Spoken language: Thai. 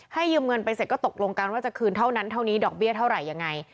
ยืมเงินไปเสร็จก็ตกลงกันว่าจะคืนเท่านั้นเท่านี้ดอกเบี้ยเท่าไหร่ยังไง